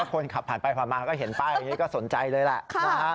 คนขับผ่านไปผ่านมาก็เห็นป้ายอย่างนี้ก็สนใจเลยแหละนะฮะ